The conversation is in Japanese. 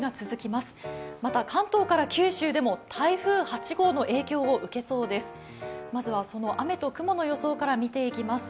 また関東から九州でも台風８号の影響を受けそうです。